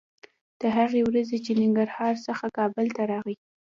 د هغې ورځې چې له ننګرهار څخه کابل ته راغلې